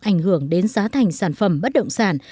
ảnh hưởng đến giá thành sản phẩm bất động sản